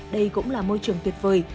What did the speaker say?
đây cũng là môi trường tuyệt vời